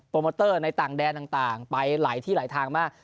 โมเตอร์ในต่างแดนต่างไปหลายที่หลายทางมาก